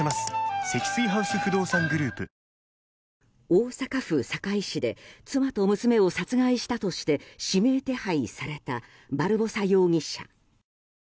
大阪府堺市で妻と娘を殺害したとして指名手配されたバルボサ容疑者。